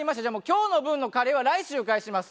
今日の分のカレーは来週返します。